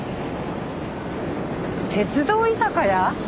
鉄道居酒屋？